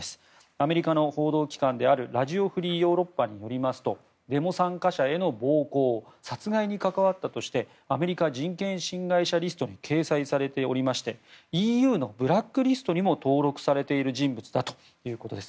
アメリカの報道機関であるラジオ・フリー・ヨーロッパによりますとデモ参加者への暴行・殺害に関わったとしてアメリカ人権侵害者リストに掲載されておりましてＥＵのブラックリストにも登録されている人物ということです。